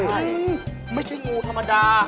ไม่ใช่งูธรรมดา